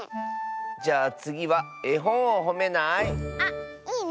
じゃあつぎはえほんをほめない？